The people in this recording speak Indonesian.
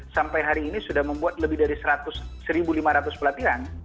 sampai hari ini sudah membuat lebih dari satu lima ratus pelatihan